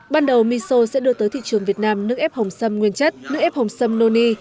ban đầu miso sẽ đưa tới thị trường việt nam nước ép hồng sâm nguyên chất nước ép hồng sâm noni